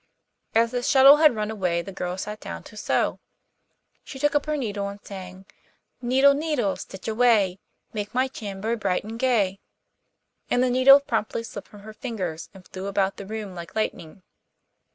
As the shuttle had run away the girl sat down to sew. She took her needle and sang: 'Needle, needle, stitch away, Make my chamber bright and gay,' and the needle promptly slipped from her fingers and flew about the room like lightning.